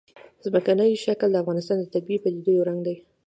ځمکنی شکل د افغانستان د طبیعي پدیدو یو رنګ دی.